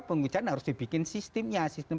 penghujan harus dibikin sistemnya sistem